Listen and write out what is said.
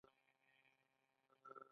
د کورونو او ودانیو په منځ کې مزل وکړ.